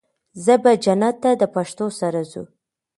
زه به جنت ته د پښتو سره ځو